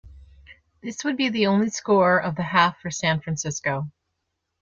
This would be the only score of the half for San Francisco.